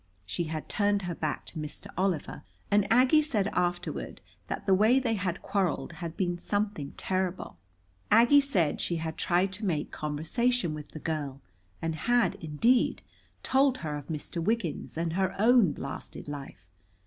She had turned her back to Mr. Oliver, and Aggie said afterward that the way they had quarreled had been something terrible. Aggie said she had tried to make conversation with the girl, and had, indeed, told her of Mr. Wiggins and her own blasted life.